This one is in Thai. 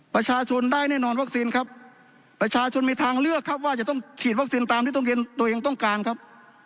ประชาชนได้แน่นอนวัคซีนครับประชาชนมีทางเลือกครับว่าจะต้องฉีดวัคซีนตามที่ต้องเรียนตัวเองต้องการครับ